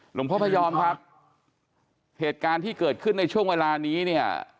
หลวงพ่อพยอมครับเหตุการณ์ที่เกิดขึ้นในช่วงเวลานี้เนี่ย